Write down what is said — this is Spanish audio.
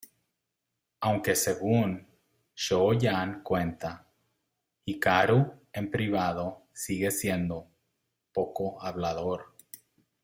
Aunque según Show-yan cuenta, Hikaru en privado sigue siendo "poco hablador".